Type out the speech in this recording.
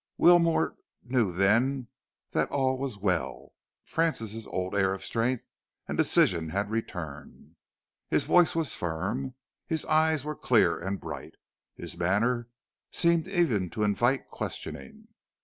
Wilmore knew then that all was well. Francis' old air of strength and decision had returned. His voice was firm, his eyes were clear and bright. His manner seemed even to invite questioning.